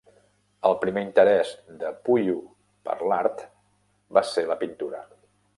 El primer interès de Puiu per l'art va ser la pintura.